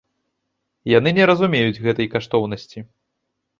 Яны не разумеюць гэтай каштоўнасці.